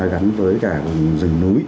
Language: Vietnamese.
gắn với cả rừng núi